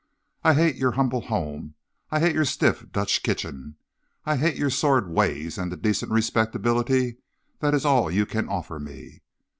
I hate your humble home, I hate your stiff Dutch kitchen, I hate your sordid ways and the decent respectability that is all you can offer me.